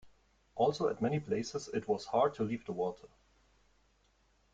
Also, at many places it was hard to leave the water.